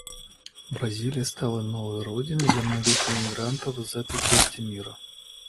Бразилия стала новой родиной для многих иммигрантов из этой части мира.